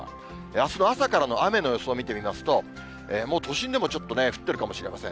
あすの朝からの雨の予想を見てみますと、もう都心でもちょっと降ってるかもしれません。